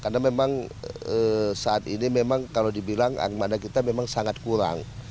karena memang saat ini memang kalau dibilang ramadhan kita memang sangat kurang